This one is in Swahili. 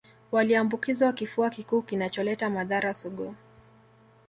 Waliambukizwa kifua kikuu kinacholeta madhara sugu